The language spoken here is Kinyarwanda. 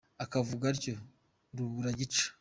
akavuga atyo; rubura gica.